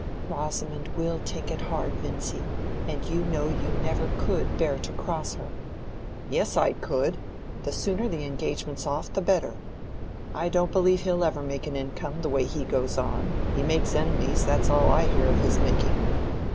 "Rosamond will take it hard, Vincy, and you know you never could bear to cross her." "Yes, I could. The sooner the engagement's off, the better. I don't believe he'll ever make an income, the way he goes on. He makes enemies; that's all I hear of his making."